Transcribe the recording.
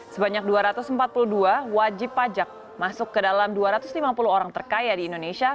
sebanyak dua ratus empat puluh dua wajib pajak masuk ke dalam dua ratus lima puluh orang terkaya di indonesia